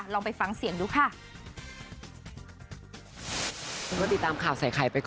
ลองไปฟังเสียงดูค่ะ